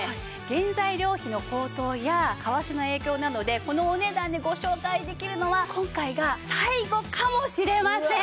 原材料費の高騰や為替の影響などでこのお値段でご紹介できるのは今回が最後かもしれません！